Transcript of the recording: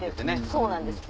そうなんです。